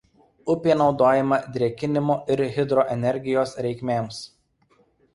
Upė naudojama drėkinimo ir hidroenergijos reikmėms.